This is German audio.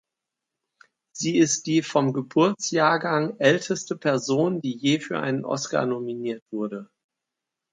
Sie ist die vom Geburtsjahrgang älteste Person, die je für einen Oscar nominiert wurde.